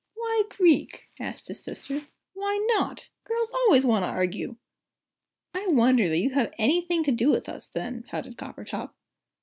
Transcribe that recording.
"Why Greek?" asked his sister. "Why not? Girls always want to argue!" "I wonder that you have anything to do with us, then," pouted Coppertop.